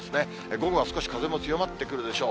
午後は少し風も強まってくるでしょう。